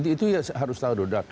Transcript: itu harus tahu doda